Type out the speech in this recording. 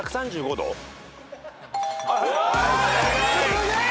すげえ！